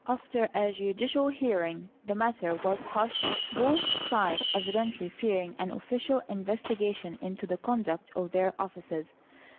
After a judicial hearing, the matter was hushed, both sides evidentiy fearing an official investigation into the conduct of their offices.